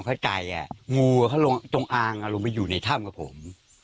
ความเข้าใจอ่ะงูเขาลงตรงอ่างอ่ะลงไปอยู่ในถ้ำกับผม